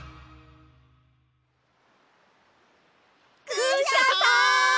クシャさん！